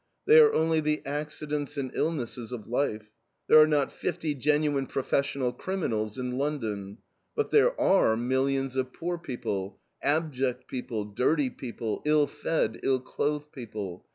They are only the accidents and illnesses of life; there are not fifty genuine professional criminals in London. But there are millions of poor people, abject people, dirty people, ill fed, ill clothed people.